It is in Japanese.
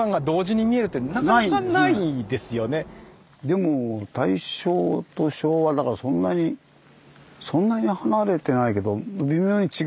でも大正と昭和だからそんなにそんなに離れてないけど微妙に違うね。